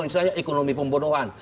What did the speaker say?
misalnya ekonomi pembunuhan